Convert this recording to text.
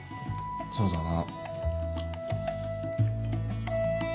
そうだな。